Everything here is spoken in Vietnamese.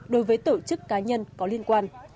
đối với tổ chức cá nhân có liên quan